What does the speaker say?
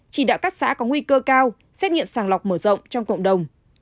chỉ đạo các xã có nguy cơ cao xét nghiệm sàng lọc mở rộng trong cộng đồng